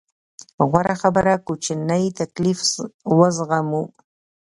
غوره خبره کوچنی تکليف وزغمو.